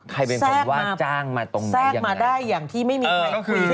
ใครเป็นคนว่าจ้างมาตรงไหนอย่างไรแทรกมาแทรกมาได้อย่างที่ไม่มีใครคุยกัน